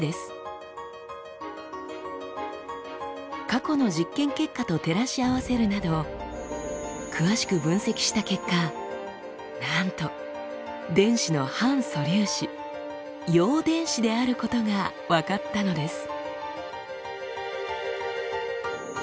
過去の実験結果と照らし合わせるなど詳しく分析した結果なんと電子の反素粒子陽電子であることが分かったのです。